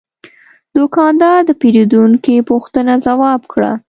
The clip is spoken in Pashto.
دوکاندار د پیرودونکي پوښتنه ځواب کړه.